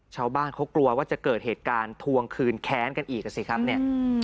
ชาวบ้านเขากลัวว่าจะเกิดเหตุการณ์ทวงคืนแค้นกันอีกอ่ะสิครับเนี่ย